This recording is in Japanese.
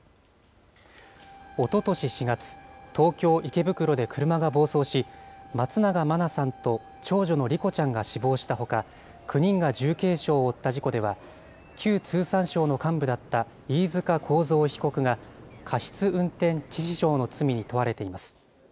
おととし４月、東京・池袋で車が暴走し、松永真菜さんと長女の莉子ちゃんが死亡したほか、９人が重軽傷を負った事故では、旧通産省の幹部だった飯塚幸三被告が、過失運転致死傷の罪に問われています。